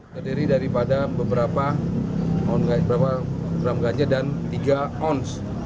terdiri daripada beberapa gram ganja dan tiga ons